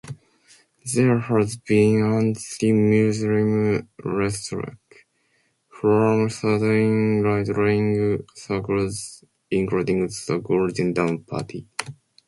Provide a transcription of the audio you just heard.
There has been anti-Muslim rhetoric from certain right-wing circles, including the Golden Dawn party.